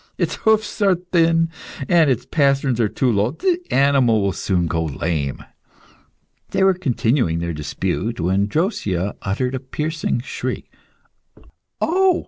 Its hoofs are thin, and the pasterns are too low; the animal will soon go lame." They were continuing their dispute, when Drosea uttered a piercing shriek. "Oh!